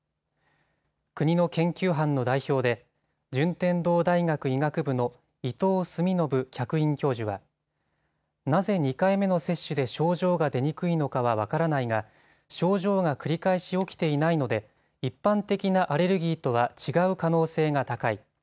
国の研究班の代表で順天堂大学医学部の伊藤澄信客員教授はなぜ２回目の接種で症状が出にくいのかは分からないが、症状が繰り返し起きていないので一般的なアレルギーとは違う可能性が高い。